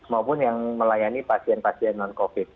maupun yang melayani pasien pasien non covid